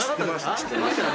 知ってましたよね？